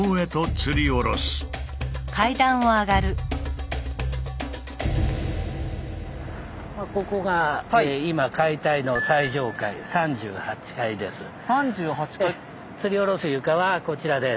つり下ろす床はこちらです。